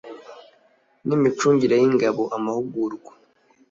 n imicungire y ingabo amahugurwa